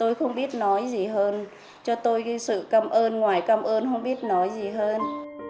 tôi không biết nói gì hơn cho tôi cái sự cảm ơn ngoài cảm ơn không biết nói gì hơn